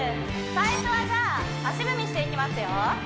最初は足踏みしていきますよ